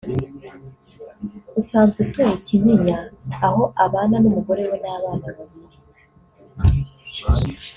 usanzwe utuye i Kinyinya aho abana n’umugore we n’abana babiri